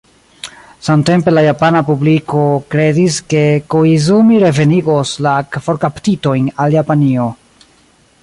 Samtempe la japana publiko kredis, ke Koizumi revenigos la forkaptitojn al Japanio.